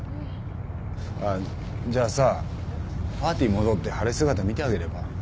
じゃあさパーティー戻って晴れ姿見てあげれば？